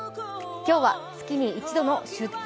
今日は月に一度の「出張！